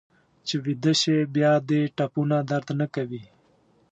چې ویده شې بیا دې ټپونه درد نه کوي.